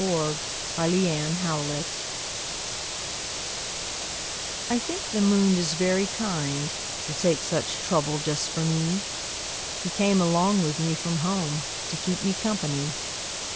II The Kind Moon I think the moon is very kind To take such trouble just for me. He came along with me from home To keep me company.